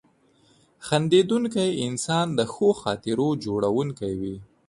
• خندېدونکی انسان د ښو خاطرو جوړونکی وي.